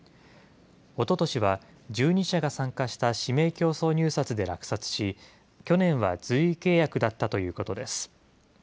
おととしは１２社が参加した指名競争入札で落札し、去年は随意契約だったということです。